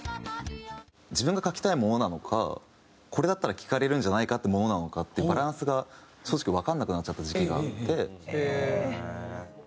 自分が書きたいものなのかこれだったら聴かれるんじゃないかってものなのかってバランスが正直わかんなくなっちゃった時期があって。